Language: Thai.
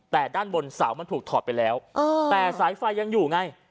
แต่ด้านบนเสามันถูกถอดไปแล้วแต่สายไฟยังอยู่ไง